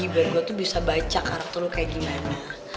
biar gue tuh bisa baca kartu lu kayak gimana